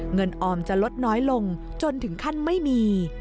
ออมจะลดน้อยลงจนถึงขั้นไม่มี